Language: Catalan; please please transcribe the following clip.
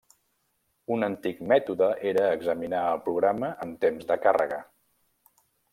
Un antic mètode era examinar el programa en temps de càrrega.